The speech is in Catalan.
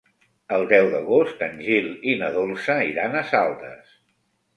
El deu d'agost en Gil i na Dolça iran a Saldes.